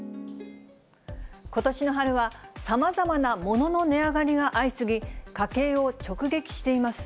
ことしの春は、さまざまなものの値上がりが相次ぎ、家計を直撃しています。